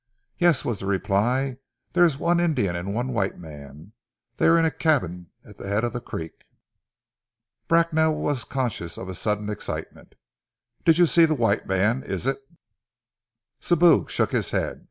"Yes," was the reply. "There is one Indian and one white man. They are in a cabin at the head of the creek." Bracknell was conscious of a sudden excitement. "Did you see the white man? Is it " Sibou shook his head.